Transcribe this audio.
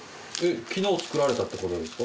昨日作られたってことですか？